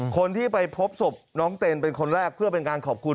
คนที่ไปพบศพน้องเตนเป็นคนแรกเพื่อเป็นการขอบคุณ